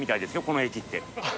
この駅って。